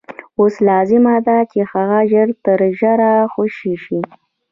اوس لازمه ده چې هغه ژر تر ژره خوشي شي.